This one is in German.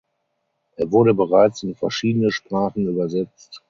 Er wurde bereits in verschiedene Sprachen übersetzt.